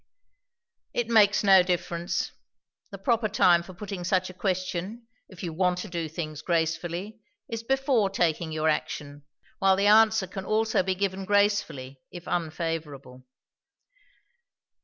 "It makes no difference. The proper time for putting such a question, if you want to do things gracefully, is before taking your action, while the answer can also be given gracefully, if unfavourable."